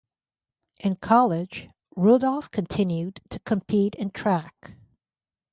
In college Rudolph continued to compete in track.